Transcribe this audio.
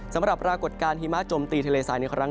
สำหรับรากฏการย์หิมะจมตีทะเลทรายในครั้งนี้นั้น